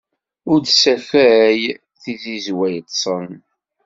Ur ssakway tizizwa yiṭṭsen!